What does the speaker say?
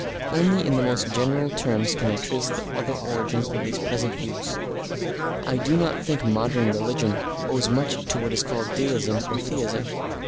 Only in the most general terms can I trace the other origins of these present views. I do not think modern religion owes much to what is called Deism or Theism.